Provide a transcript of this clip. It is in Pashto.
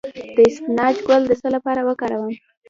د اسفناج ګل د څه لپاره وکاروم؟